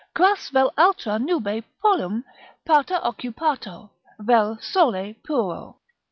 cras vel atra Nube polum pater occupato, Vel sole puro."